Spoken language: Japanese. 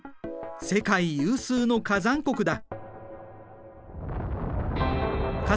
世界有数の火山国だ。